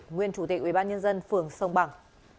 nguyên chủ tịch ubnd phường sông bằng